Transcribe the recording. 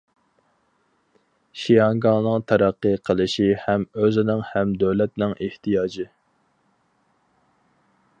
شياڭگاڭنىڭ تەرەققىي قىلىشى ھەم ئۆزىنىڭ ھەم دۆلەتنىڭ ئېھتىياجى.